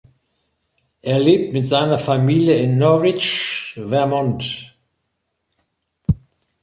Er lebt mit seiner Familie in Norwich, Vermont.